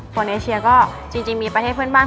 โซนเอเชียก็จริงมีไปให้เพื่อนบ้าน